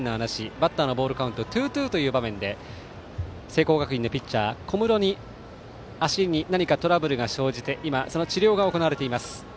バッターのボールカウントがツーツーという場面で聖光学院のピッチャー、小室に足に何かトラブルが生じて今、その治療が行われています。